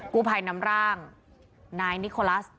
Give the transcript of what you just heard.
กู้ภัยนำร่างนายนิโคลัส